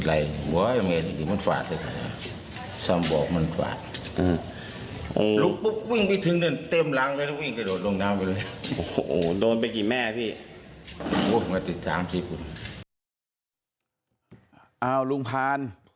อ้าวลุงพาน